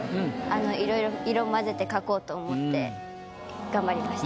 いろいろ色混ぜて描こうと思って頑張りました。